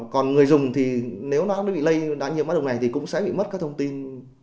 còn người dùng thì nếu nó bị lây đá nhiễm máy động này thì cũng sẽ bị mất các thông tin